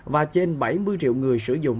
và trên bảy mươi triệu người sử dụng